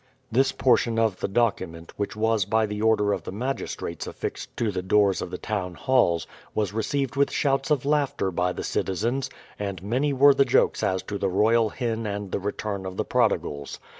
This portion of the document, which was by the order of the magistrates affixed to the doors of the town halls, was received with shouts of laughter by the citizens, and many were the jokes as to the royal hen and the return of the prodigals.